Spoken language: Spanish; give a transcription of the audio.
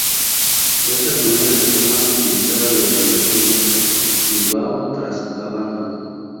Es la segunda estación más utilizada de la Red de Metro Bilbao tras Abando.